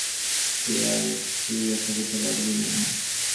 সে আর শুইয়া থাকিতে পারিল না।